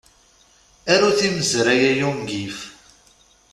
Aru timezray, ay ungif!